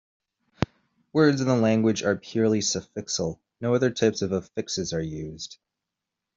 Words in the language are purely suffixal; no other types of affixes are used.